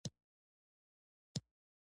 د ژبې هر توری باید یو هدف ولري.